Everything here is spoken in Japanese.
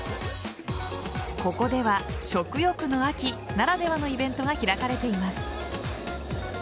ここでは食欲の秋ならではのイベントが開かれています。